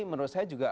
menurut saya juga